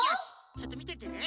ちょっとみててね。